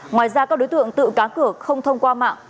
ngoài ra các đối tượng tự cá cửa không thông qua mạng